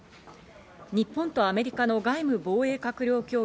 日本とアメリカの外務・防衛閣僚協議